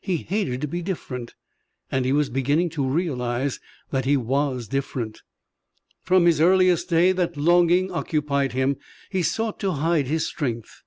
He hated to be different and he was beginning to realize that he was different. From his earliest day that longing occupied him. He sought to hide his strength.